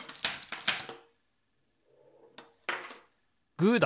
グーだ！